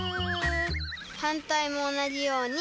はんたいもおなじように。